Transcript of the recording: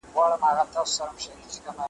او په هغه ژبه خپلو اورېدونکو `